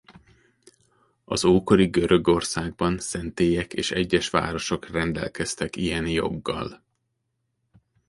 Az ókori Görögországban szentélyek és egyes városok rendelkeztek ilyen joggal.